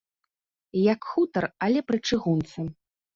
Як хутар, але пры чыгунцы.